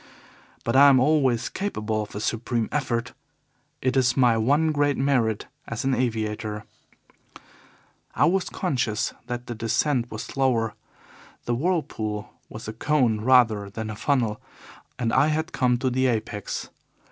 But I am always capable of a supreme effort it is my one great merit as an aviator. I was conscious that the descent was slower. The whirlpool was a cone rather than a funnel, and I had come to the apex.